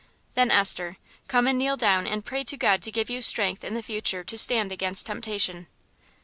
"Then, Esther, come and kneel down and pray to God to give you strength in the future to stand against temptation."